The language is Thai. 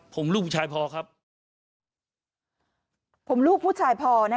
ผมลูกผู้ชายพอนะคะ